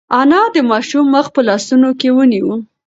انا د ماشوم مخ په لاسونو کې ونیو.